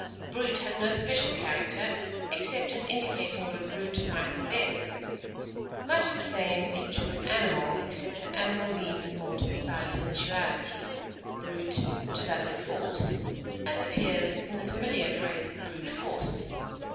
Brute has no special character, except as indicating what a brute might possess; much the same is true of animal, except that animal leans more to the side of sensuality, brute to that of force, as appears in the familiar phrase "brute force."